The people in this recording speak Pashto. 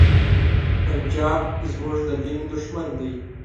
پنجاب زمونږ د دین دښمن دی.